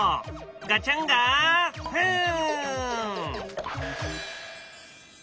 ガチャンガフン！